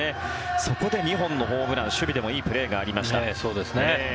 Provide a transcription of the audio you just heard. そこで２本のホームラン守備でもいいプレーがありました。